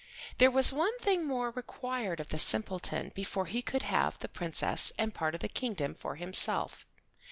There was one thing more required of the simpleton before he could have the Princess and part of the kingdom for himself.